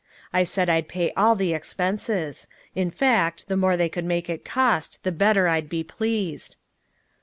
I said I'd pay all the expenses. In fact, the more they could make it cost the better I'd be pleased.